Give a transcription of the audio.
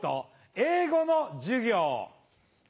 「英語の授業」。